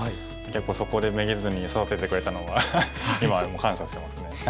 そこでめげずに育ててくれたのは今でも感謝してますね。